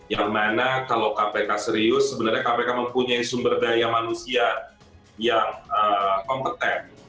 yang mana kalau kpk serius sebenarnya kpk mempunyai sumber daya manusia yang kompeten